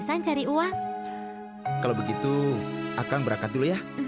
sampai jumpa di video selanjutnya